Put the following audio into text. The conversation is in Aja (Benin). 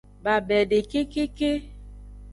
Babede kekeke.